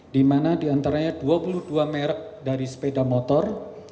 di mana diantaranya dua puluh dua merek dari sepeda motor